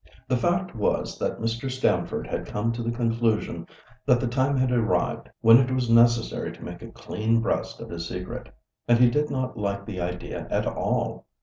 The fact was that Mr. Stamford had come to the conclusion that the time had arrived when it was necessary to make a clean breast of his secret. And he did not like the idea at all.